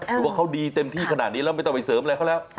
ถือว่าเขาดีเต็มที่ขนาดนี้แล้วไม่ต้องไปเสริมอะไรเขาแล้ว